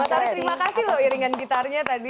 terima kasih lo iringan gitarnya tadi